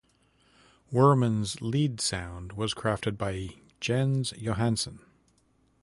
Wirman's lead sound was crafted by Jens Johansson.